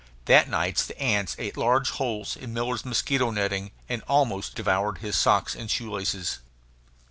That night the ants ate large holes in Miller's mosquito netting, and almost devoured his socks and shoe laces.